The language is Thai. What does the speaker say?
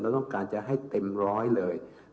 ต้องการจะให้เต็มร้อยเลย